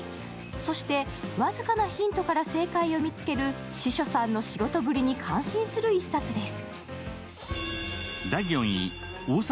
そして、僅かなヒントから正解を見つける司書さんの仕事ぶりに感心する一冊です。